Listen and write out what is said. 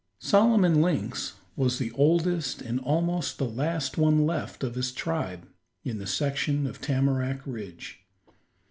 Solomon Lynx was the oldest and almost the last one left of his tribe in the section of Tamarack Ridge.